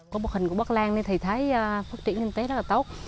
có một khẩn của bắc lan nên thấy phát triển nhân tế rất là tốt